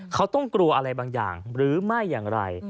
เขาต้องกลัวอะไรบางอย่างหรือไม่อย่างไร